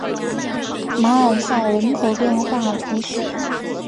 马尔赛人口变化图示